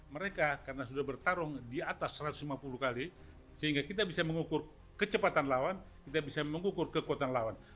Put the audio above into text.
mereka karena sudah bertarung di atas satu ratus lima puluh kali sehingga kita bisa mengukur kecepatan lawan kita bisa mengukur kekuatan lawan